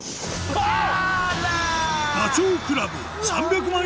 あっ。